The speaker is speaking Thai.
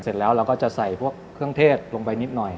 เสร็จแล้วเราก็จะใส่พวกเครื่องเทศลงไปนิดหน่อย